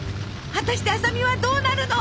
果たして麻美はどうなるの！